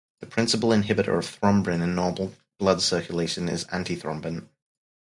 The principal inhibitor of thrombin in normal blood circulation is antithrombin.